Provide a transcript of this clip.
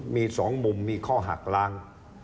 มีสองมุมมีข้อหักลาง